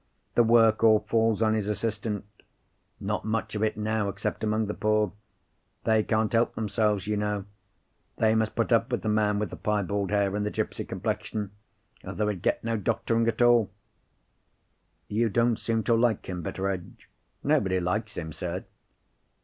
The work all falls on his assistant. Not much of it now, except among the poor. They can't help themselves, you know. They must put up with the man with the piebald hair, and the gipsy complexion—or they would get no doctoring at all." "You don't seem to like him, Betteredge?" "Nobody likes him, sir."